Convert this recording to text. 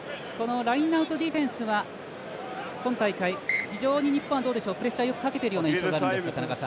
ラインアウトディフェンスは今大会非常に日本はプレッシャーよくかけている印象があるんですが。